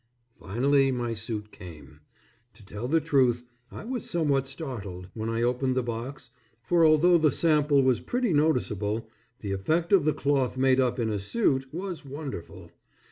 Finally my suit came. To tell the truth, I was somewhat startled, when I opened the box, for although the sample was pretty noticeable, the effect of the cloth made up in a suit was wonderful.